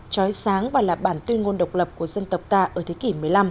trói sáng và là bản tuyên ngôn độc lập của dân tộc ta ở thế kỷ một mươi năm